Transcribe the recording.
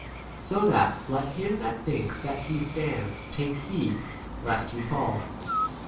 So that let him that thinks that he 13 stands take heed lest he fall.